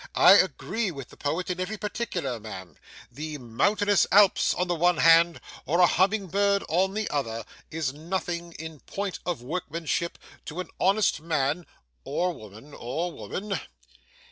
I agree with the poet in every particular, ma'am. The mountainous Alps on the one hand, or a humming bird on the other, is nothing, in point of workmanship, to an honest man or woman or woman.